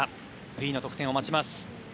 フリーの得点を待ちます。